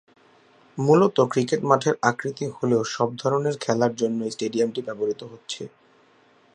মূলত ক্রিকেট মাঠের আকৃতি হলেও সব ধরনের খেলার জন্যই স্টেডিয়ামটি ব্যবহৃত হচ্ছে।